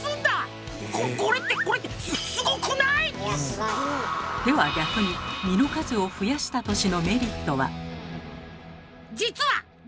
これってこれってでは逆に実の数を増やした年のメリットは？